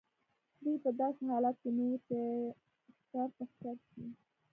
دوی په داسې حالت کې نه وو چې ښکر په ښکر شي.